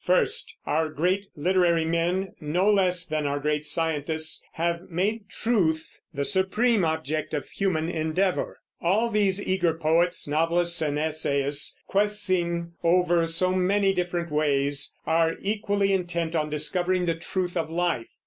First, our great literary men, no less than our great scientists, have made truth the supreme object of human endeavor. All these eager poets, novelists, and essayists, questing over so many different ways, are equally intent on discovering the truth of life.